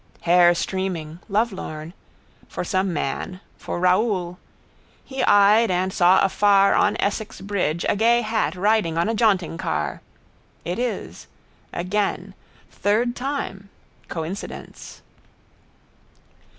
Hair streaming: lovelorn. For some man. For Raoul. He eyed and saw afar on Essex bridge a gay hat riding on a jaunting car. It is. Again. Third time. Coincidence.